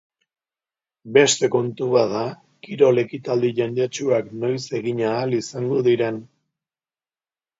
Beste kontu bat da kirol ekitaldi jendetsuak noiz egin ahal izango diren.